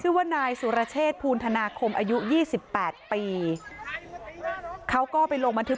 ชื่อว่านายสุรเชษภูณธนาคมอายุยี่สิบแปดปีเขาก็ไปลงบันทึก